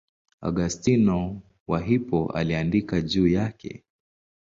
Augustino wa Hippo aliandika juu yake.